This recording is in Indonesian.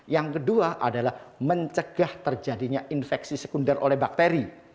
yang kedua adalah mencegah terjadinya infeksi sekunder oleh bakteri